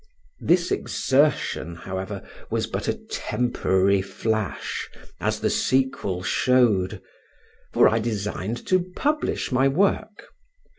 This exertion, however, was but a temporary flash, as the sequel showed; for I designed to publish my work.